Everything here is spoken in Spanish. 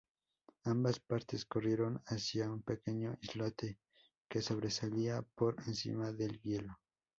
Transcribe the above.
Ambas partes corrieron hacia un pequeño islote que sobresalía por encima del hielo.